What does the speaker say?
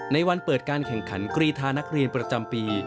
ในวันเปิดการแข่งขันกรีธานักเรียนประจำปี